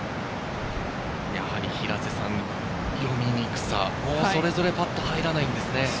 やはり読みにくさ、それぞれパットが入らないんですね。